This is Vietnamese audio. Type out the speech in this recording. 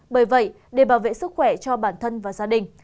bởi vậy để bảo vệ sức khỏe cho bản thân và gia đình